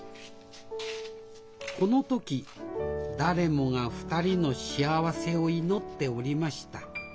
この時誰もが２人の幸せを祈っておりました。